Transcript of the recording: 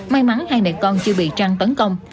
may mắn hai mẹ con chưa bị trăng tấn công